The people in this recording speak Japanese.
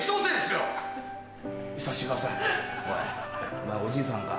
お前おじいさんか